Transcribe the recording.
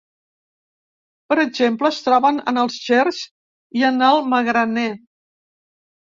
Per exemple es troben en els gerds i en el magraner.